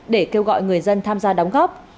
để kêu gọi người dân tham gia đóng góp